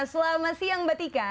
selamat siang mba tika